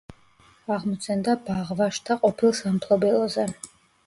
აღმოცენდა ბაღვაშთა ყოფილ სამფლობელოზე.